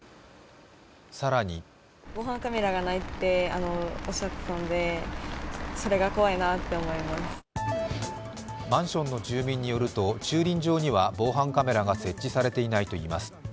更にマンションの住民によると、駐輪場には防犯カメラが設置されていないといいます。